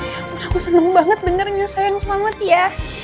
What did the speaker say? ya ampun aku seneng banget dengarnya sayang sama amat ya